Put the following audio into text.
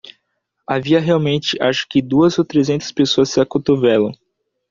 Havia realmente? Eu acho que? duas ou trezentas pessoas se acotovelam.